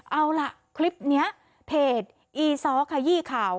เอาล่ะคลิปนี้เพจอีซ้อขยี้ข่าว